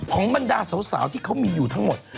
บรรดาสาวที่เขามีอยู่ทั้งหมด